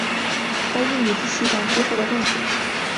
在印度及西藏皆受到重视。